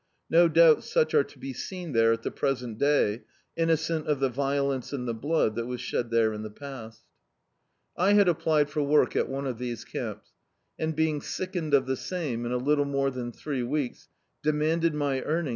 No doubt such are to be seen there at the present day, irmocent of the violence and the blood that was shed there in the pasL D,i.,.db, Google The Canal I had applied for work at one of these camps and being sickened of the same in a little more than three weeks demanded my earning?